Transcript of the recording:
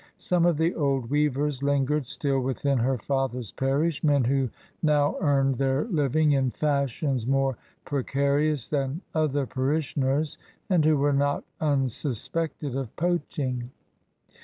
Some of the old weavers lingered still within her father's parish — ^men who now earned their living in fashions more precarious than other parishioners, and who were not unsuspected of poaching.